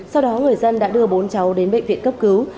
sau đó người dân đã đưa bốn cháu đến bệnh viện cấp cứu